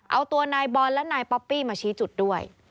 เอาตัวนายบอลและนายป๊อปปี้มาชี้จุดด้วย